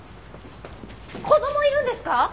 子供いるんですか？